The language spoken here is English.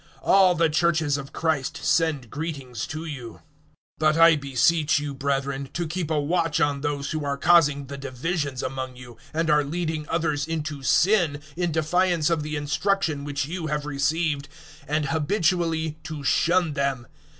All the Churches of Christ send greetings to you. 016:017 But I beseech you, brethren, to keep a watch on those who are causing the divisions among you, and are leading others into sin, in defiance of the instruction which you have received; and habitually to shun them.